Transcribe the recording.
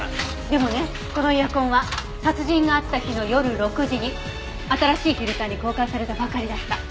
でもねこのエアコンは殺人があった日の夜６時に新しいフィルターに交換されたばかりだった。